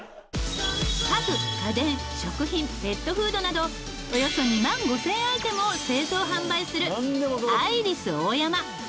家具家電食品ペットフードなどおよそ２万５０００アイテムを製造・販売するアイリスオーヤマ。